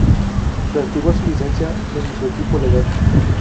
Reactivó su licencia en su equipo legal.